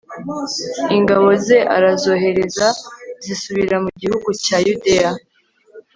ingabo ze arazohereza zisubira mu gihugu cya yudeya